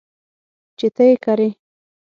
چې ته یې کرې .